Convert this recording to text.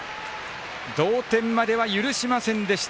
同点までは許しませんでした。